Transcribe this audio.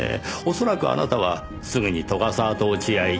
恐らくあなたはすぐに斗ヶ沢と落ち合い。